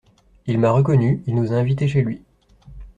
Il m’a reconnu, il nous a invités chez lui.